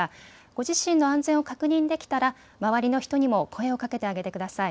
ご自身の安全を確認できたら周りの人にも声をかけてあげてください。